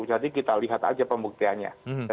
jadi kita lihat aja pembuktiannya